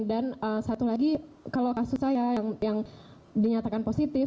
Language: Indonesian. dan satu lagi kalau kasus saya yang dinyatakan positif